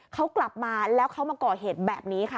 เขากลับมาแล้วเขามาก่อเหตุแบบนี้ค่ะ